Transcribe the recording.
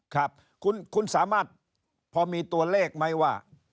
ครับคุณสามารถพอมีตัวเลขไหมว่า